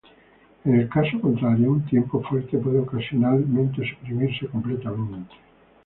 En el caso contrario, un tiempo fuerte puede ocasionalmente suprimirse completamente.